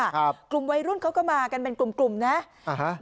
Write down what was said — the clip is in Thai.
กลุ่มวัยรุ่นเขาก็มากันเป็นกลุ่มกลุ่มนะอ่าฮะ